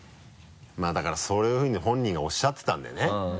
まぁだからそういうふうに本人がおっしゃってたんでね。